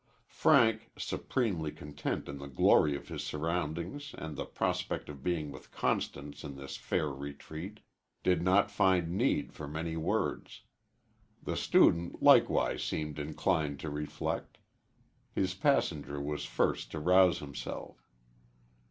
Frank, supremely content in the glory of his surroundings and the prospect of being with Constance in this fair retreat, did not find need for many words. The student likewise seemed inclined to reflect. His passenger was first to rouse himself.